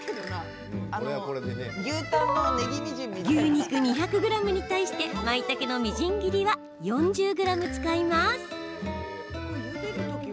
牛肉２００ｇに対してまいたけのみじん切りは４０ｇ使います。